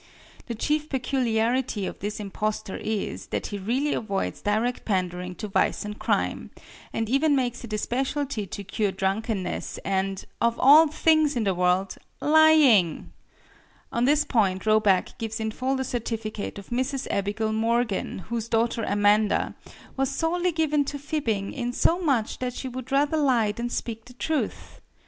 The chief peculiarity of this impostor is, that he really avoids direct pandering to vice and crime, and even makes it a specialty to cure drunkenness and of all things in the world lying! On this point Roback gives in full the certificate of Mrs. Abigail Morgan, whose daughter Amanda "was sorely given to fibbing, in so much that she would rather lie than speak the truth."